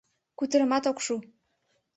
Кутырымат ок шу.